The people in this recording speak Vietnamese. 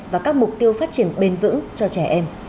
và các mục tiêu phát triển bền vững cho trẻ em